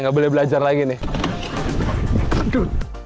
nggak boleh belajar lagi nih